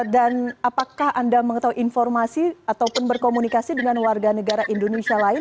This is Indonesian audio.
dan apakah anda mengetahui informasi ataupun berkomunikasi dengan warga negara indonesia lain